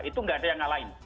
itu nggak ada yang ngalahin